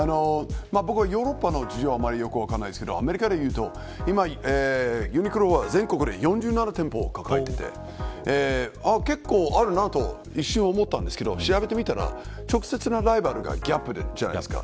僕はヨーロッパの事情はよく分かりませんがアメリカでいうと今ユニクロは全国で４７店舗抱えていて結構あるなと、一瞬思ったんですけど、調べてみたら直接のライバルがＧＡＰじゃないですか。